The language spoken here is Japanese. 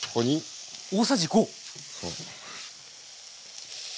大さじ５。